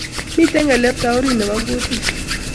Mitei ngelyepta orit nebo kutit